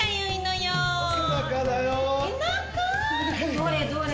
どれどれ。